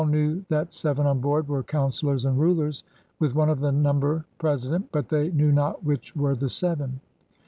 AU knew that seven on board were councflors and rulers, with one of the number President, but they knew not which were the seven.